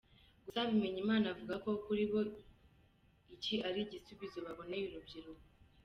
Gusa Bimenyimana avuga ko kuri bo iki ari igisubizo baboneye urubyiruko.